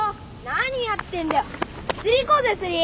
何やってんだよ。